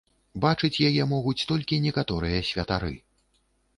Бачыць яе могуць толькі некаторыя святары.